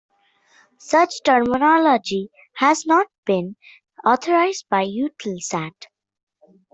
Such terminology has not been authorised by Eutelsat.